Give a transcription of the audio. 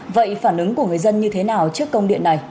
vậy phản ứng của người dân như thế nào trước công điện này